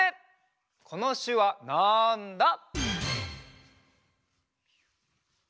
このしゅわなんだ？